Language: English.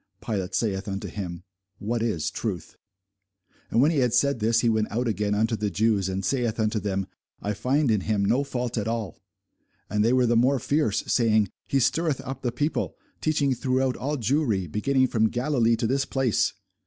Pilate saith unto him, What is truth? And when he had said this, he went out again unto the Jews, and saith unto them, I find in him no fault at all. And they were the more fierce, saying, He stirreth up the people, teaching throughout all Jewry, beginning from Galilee to this place.